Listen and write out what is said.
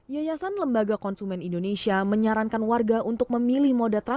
yayasan lembaga konsumen indonesia menyarankan warga untuk memiliki perusahaan yang berbeda